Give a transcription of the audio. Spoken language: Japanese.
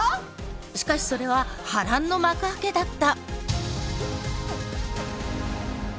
しかしそれは波乱の幕開けだった。